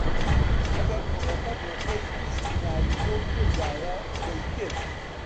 ئەگەر کوڕەکە بۆ خۆی بیست دیناری بۆ ببردایە دەیکرد